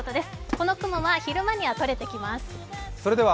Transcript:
この雲は昼間にはとれてきます。